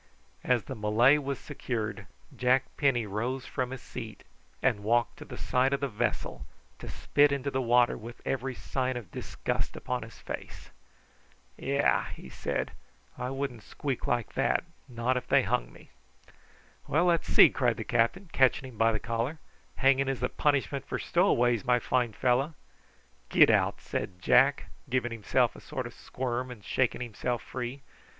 As the Malay was secured, Jack Penny rose from his seat and walked to the side of the vessel, to spit into the water with every sign of disgust upon his face. "Yah!" he said; "I wouldn't squeak like that, not if they hung me." "Well, let's see," cried the captain, catching him by the collar; "hanging is the punishment for stowaways, my fine fellow." "Get out!" said Jack, giving himself a sort of squirm and shaking himself free.